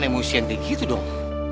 ini jangan emosian deh gitu dong